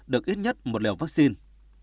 được ít nhất một liều vaccine